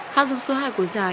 hạ dùng số hai của giải